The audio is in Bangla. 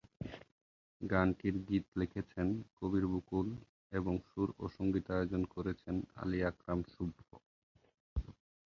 গানটির গীত লিখেছেন কবির বকুল এবং সুর ও সংগীতায়োজন করেছেন আলী আকরাম শুভ।